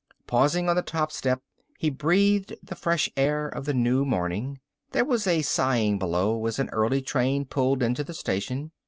Pausing on the top step, he breathed the fresh air of the new morning. There was a sighing below as an early train pulled into the station.